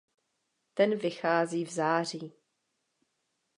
Ten vychází v září.